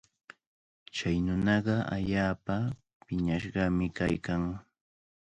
Chay nunaqa allaapa piñashqami kaykan.